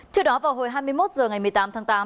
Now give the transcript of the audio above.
trước đó vào hồi hai mươi một h ngày một mươi tám tháng tám